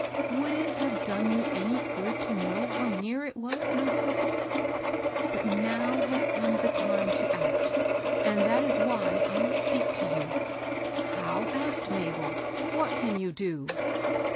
Would it have done you any good to know how near it was, my sister ? But now has come the time to act^ and that is why I speak to you." " How act, Mabel ? What can you do